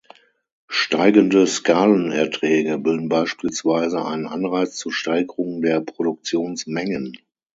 Steigende Skalenerträge bilden beispielsweise einen Anreiz zur Steigerung der Produktionsmengen.